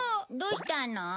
どうしたの？